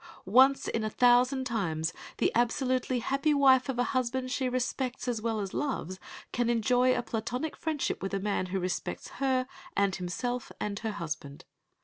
Once in a thousand times the absolutely happy wife of a husband she respects as well as loves can enjoy a platonic friendship with a man who respects her, and himself, and her husband.